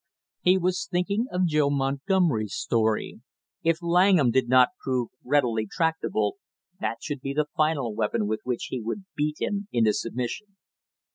He was thinking of Joe Montgomery's story; if Langham did not prove readily tractable, that should be the final weapon with which he would beat him into submission.